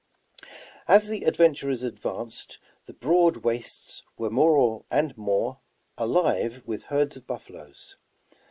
As the adventurers advanced, the broad wastes were more and more alive with herds of buffaloes.